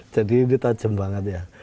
jadi ini tajam banget ya